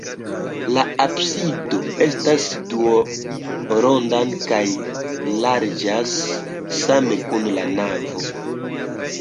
La absido estas duonronda kaj larĝas same kun la navo.